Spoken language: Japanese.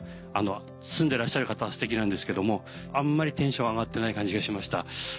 住んでらっしゃる方はステキなんですけどもあんまりテンション上がってない感じがしました。